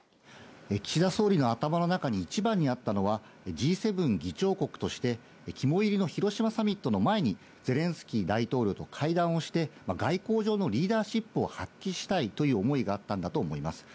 岸田総理の頭の中に一番にあったのはＧ７議長国として、肝いりの広島サミットの前にゼレンスキー大統領との会談をして、外交上のリーダーシップを発揮したいという思いがあったんだと思います。